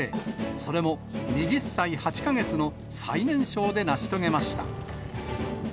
それも２０歳８か月の最年少で成し遂げました。